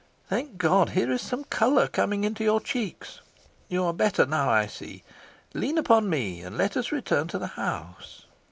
Thank God! here is some colour coming into your cheeks. You are better now, I see. Lean upon me, and let us return to the house."